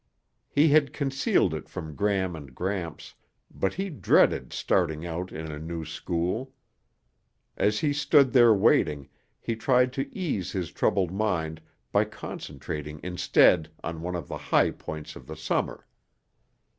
He had concealed it from Gram and Gramps, but he dreaded starting out in a new school. As he stood there waiting, he tried to ease his troubled mind by concentrating instead on one of the high points of the summer.